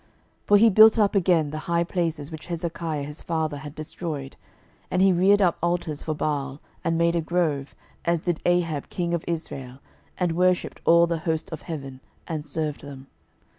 12:021:003 For he built up again the high places which Hezekiah his father had destroyed; and he reared up altars for Baal, and made a grove, as did Ahab king of Israel; and worshipped all the host of heaven, and served them.